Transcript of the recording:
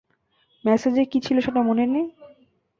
মেসেজে কী ছিলো সেটা মনে নেই?